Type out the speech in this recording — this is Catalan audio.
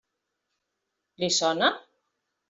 Li sona?